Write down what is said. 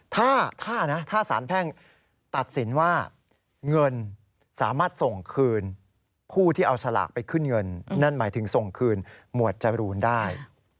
ถ้านะถ้าสารแพ่งตัดสินว่าเงินสามารถส่งคืนผู้ที่เอาสลากไปขึ้นเงินนั่นหมายถึงส่งคืนหมวดจรูนได้